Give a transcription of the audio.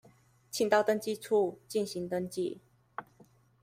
請到登記處進行登記